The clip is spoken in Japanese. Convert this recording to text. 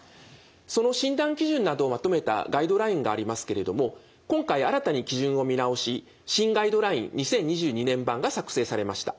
その診断基準などをまとめたガイドラインがありますけれども今回新たに基準を見直し新ガイドライン２０２２年版が作成されました。